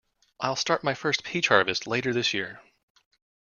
I'll start my first peach harvest later this year.